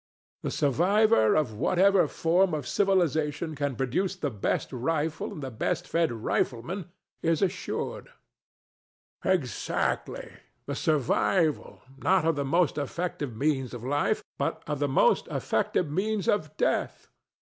The survival of whatever form of civilization can produce the best rifle and the best fed riflemen is assured. THE DEVIL. Exactly! the survival, not of the most effective means of Life but of the most effective means of Death.